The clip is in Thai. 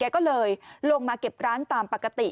ก็เลยลงมาเก็บร้านตามปกติ